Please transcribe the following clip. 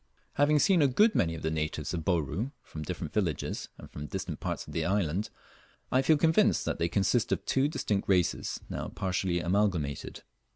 Having seen a good many of the natives of Bouru from different villages, and from distant parts of the island, I feel convinced that they consist of two distinct races now partially amalgamated.